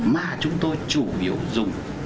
mà chúng tôi chủ yếu dùng